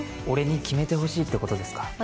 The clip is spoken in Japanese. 俺に決めてほしいってことですか？